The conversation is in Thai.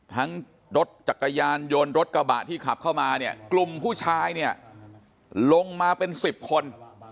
รถจักรยานยนต์รถกระบะที่ขับเข้ามาเนี่ยกลุ่มผู้ชายเนี่ยลงมาเป็นสิบคน